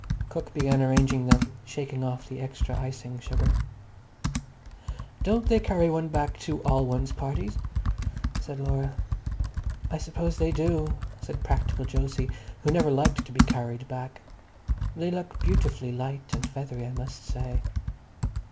Cook began arranging them, shaking off the extra icing sugar. "Don't they carry one back to all one's parties?" said Laura. "I suppose they do," said practical Jose, who never liked to be carried back. "They look beautifully light and feathery, I must say."